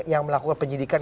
yang melakukan penyidikan